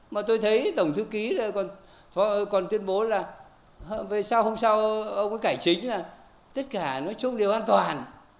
mà tôi thấy tổng thư ký còn tuyên bố là hôm sau ông có cải chính là tất cả nói chung đều an toàn